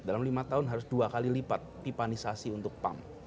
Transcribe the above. dalam lima tahun harus dua x lipat tipanisasi untuk pam